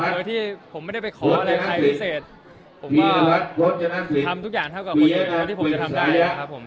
โดยที่ผมไม่ได้ไปขออะไรใครพิเศษผมก็ทำทุกอย่างเท่ากับที่ผมจะทำได้แล้วครับผม